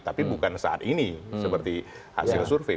tapi bukan saat ini seperti hasil survei